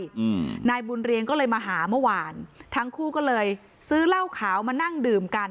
อืมนายบุญเรียงก็เลยมาหาเมื่อวานทั้งคู่ก็เลยซื้อเหล้าขาวมานั่งดื่มกัน